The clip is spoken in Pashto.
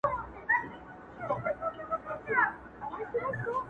اوس چي مي ته یاده سې شعر لیکم، سندري اورم.